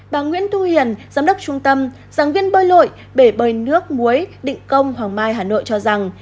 bà nguyễn thu hiền giám đốc trung tâm giảng viên bơi lội bể bơi nước muối định công hoàng mai hà nội cho rằng